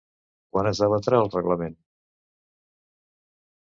Quan es debatrà el reglament?